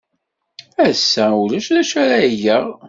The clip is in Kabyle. Ass-a, ulac d acu ara geɣ.